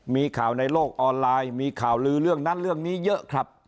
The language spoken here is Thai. มีข่าวในโลกออนไลน์มีข่าวลือเรื่องนั้นเรื่องนี้เยอะครับ